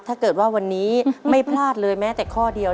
ถ้าเกิดว่าวันนี้ไม่พลาดเลยแม้แต่ข้อเดียว